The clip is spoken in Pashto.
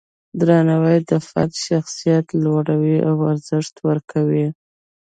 درناوی د فرد شخصیت لوړوي او ارزښت ورکوي.